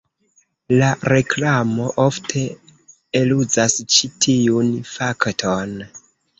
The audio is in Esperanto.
La reklamo ofte eluzas ĉi tiun fakton.